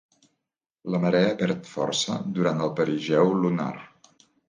La marea perd força durant el perigeu lunar.